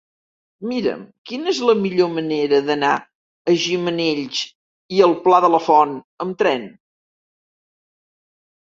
Mira'm quina és la millor manera d'anar a Gimenells i el Pla de la Font amb tren.